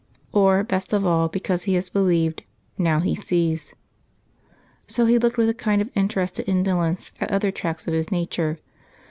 Or, best of all, because he has believed, now he sees. So he looked with a kind of interested indolence at other tracts of his nature.